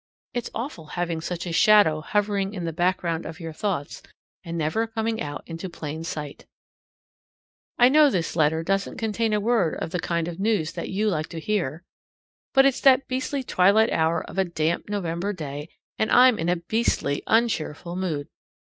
It's awful having such a shadow hovering in the background of your thoughts and never coming out into plain sight. I know that this letter doesn't contain a word of the kind of news that you like to hear. But it's that beastly twilight hour of a damp November day, and I'm in a beastly uncheerful mood.